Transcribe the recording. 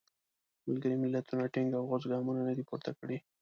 ملګري ملتونو ټینګ او غوڅ ګامونه نه دي پورته کړي.